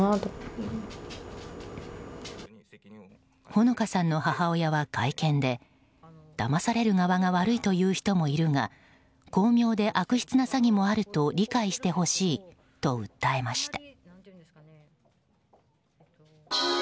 穂野香さんの母親は会見でだまされる側が悪いという人もいるが巧妙で悪質な詐欺もあると理解してほしいと訴えました。